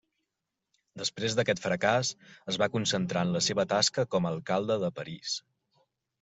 Després d'aquest fracàs, es va concentrar en la seva tasca com a alcalde de París.